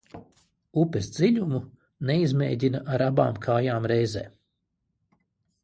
Upes dziļumu neizmēģina ar abām kājām reizē.